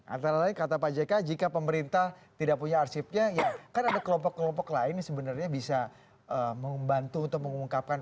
antara lain kata pak jk jika pemerintah tidak punya arsipnya ya kan ada kelompok kelompok lain yang sebenarnya bisa membantu untuk mengungkapkan